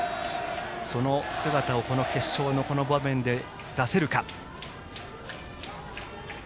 その姿を、この決勝のこの場面で出せるか。